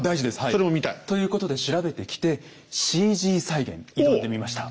それも見たい。ということで調べてきてＣＧ再現挑んでみました。